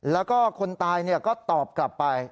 แล้วก็คนตายก็ตอบกลับไป